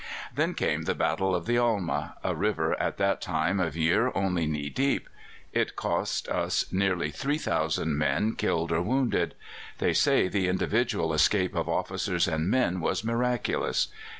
Then came the Battle of the Alma, a river at that time of year only knee deep. It cost us nearly 3,000 men killed or wounded. They say the individual escape of officers and men was miraculous.